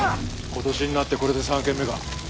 今年になってこれで３軒目か。